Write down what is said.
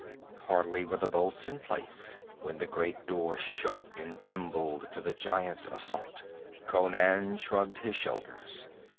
Hardly were the bolts in place when the great door shook and trembled to the giant's assault. Conan shrugged his shoulders.